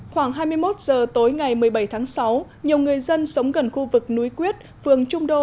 khoảng hai mươi một h tối ngày một mươi bảy tháng sáu nhiều người dân sống gần khu vực núi quyết phường trung đô